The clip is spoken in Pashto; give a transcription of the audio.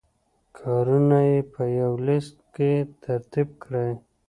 کارونه یې په یوه لست کې ترتیب کړئ.